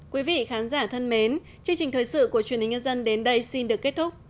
quý vị khán giả thân mến chương trình thời sự của truyền hình nhân dân đến đây xin được kết thúc